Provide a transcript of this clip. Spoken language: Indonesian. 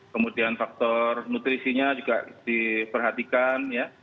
kemudian faktor nutrisinya juga diperhatikan ya